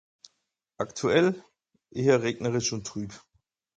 Aktuell? Hier regnerisch und trüb.